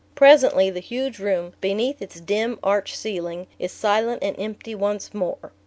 Presently the huge room, beneath its dim arched ceiling, is silent and empty once more.